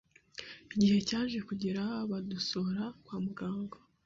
Igihe cyaje kugera badusohora kwa muganga